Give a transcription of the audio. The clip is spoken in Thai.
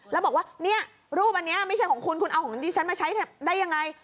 แล้วบอกว่าเนี่ยรูปอันนี้ไม่ใช่ของคุณคุณเอาของดิฉันมาใช้ได้ยังไง